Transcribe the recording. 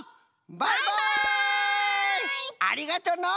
ありがとの！